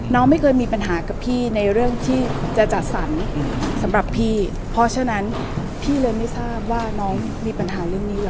น้องไม่เคยมีปัญหากับพี่ในเรื่องที่จะจัดสรรสำหรับพี่เพราะฉะนั้นพี่เลยไม่ทราบว่าน้องมีปัญหาเรื่องนี้เหรอ